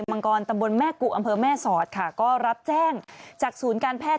มังกรตำบลแม่กุอำเภอแม่สอดค่ะก็รับแจ้งจากศูนย์การแพทย์